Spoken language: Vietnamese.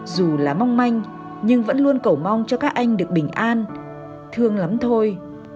dù là mong manh nhưng vẫn luôn cầu mong cho các anh được bình an thương lắm thôi